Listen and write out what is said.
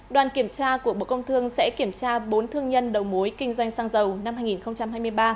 đoàn kiểm tra của bộ công thương sẽ kiểm tra bốn thương nhân đầu mối kinh doanh xăng dầu năm hai nghìn hai mươi ba